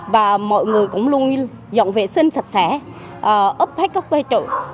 và mọi người cũng luôn dọn vệ sinh sạch sẽ ấp hết các bê trụ